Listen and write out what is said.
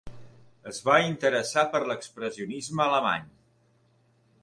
Es va interessar per l'expressionisme alemany.